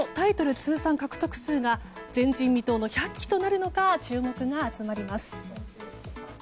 通算獲得数が前人未到の１００期となるのか注目が集まります。